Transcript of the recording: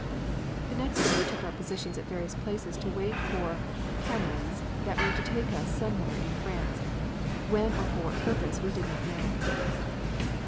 The next day we took our positions at various places to wait for camions that were to take us somewhere in France, when or for what purpose we did not know.